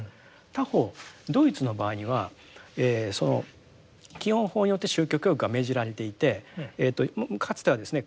他方ドイツの場合には基本法によって宗教教育が命じられていてかつてはですね